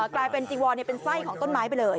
กลายเป็นจีวอนเป็นไส้ของต้นไม้ไปเลย